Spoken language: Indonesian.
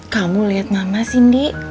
kamu liat mama sindy